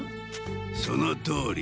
そのとおり。